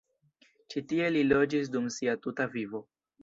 Ĉi tie li loĝis dum sia tuta vivo.